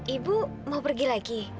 ibu mau pergi lagi